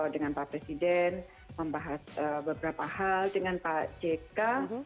dengan pak presiden membahas beberapa hal dengan pak jk